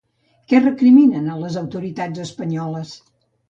Què recriminen a les autoritats espanyoles?